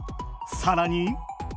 更に。